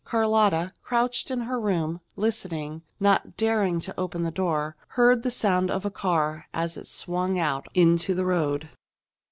Carlotta, crouched in her room, listening, not daring to open the door, heard the sound of a car as it swung out into the road.